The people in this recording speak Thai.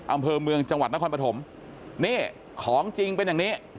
อำเภอเมืองจังหวัดนครปฐมนี่ของจริงเป็นอย่างนี้